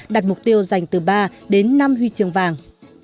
đặt mục tiêu dành từ ba đến năm huy chương vàng